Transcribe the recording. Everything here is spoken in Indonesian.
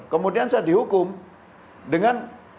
kemudian saya dihukum dengan